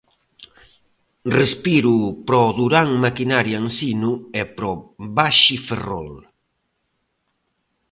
Respiro para o Durán Maquinaria Ensino e para o Baxi Ferrol.